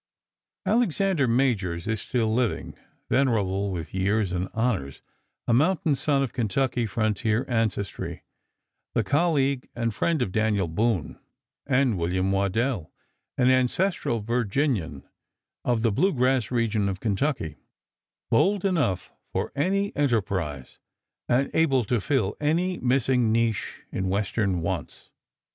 Alexander Majors is still living, venerable with years and honors, a mountain son of Kentucky frontier ancestry, the colleague and friend of Daniel Boone; and William Waddell, an ancestral Virginian of the blue grass region of Kentucky, bold enough for any enterprise, and able to fill any missing niche in Western wants.